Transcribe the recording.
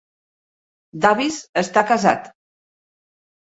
Davis està casat.